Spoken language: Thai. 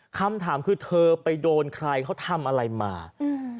คำถามคือเธอไปโดนใครเขาทำอะไรมาอืม